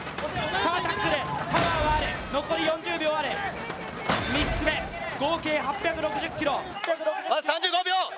タックル、パワーはある、残り４０秒ある、３つ目、合計８６０ｋｇ。